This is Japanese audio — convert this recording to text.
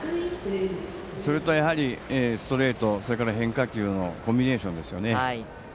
それとやはりストレートと変化球のコンビネーションですよね。